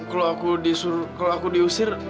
kalau aku disuruh kalau aku diusir